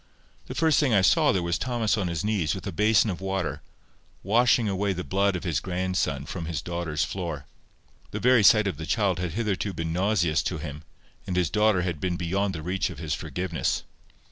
The first thing I saw there was Thomas on his knees, with a basin of water, washing away the blood of his grandson from his daughter's floor. The very sight of the child had hitherto been nauseous to him, and his daughter had been beyond the reach of his forgiveness.